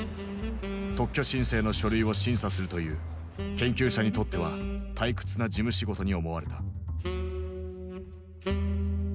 特許申請の書類を審査するという研究者にとっては退屈な事務仕事に思われた。